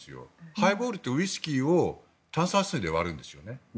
ハイボールってウイスキーを炭酸水で割るんですよね。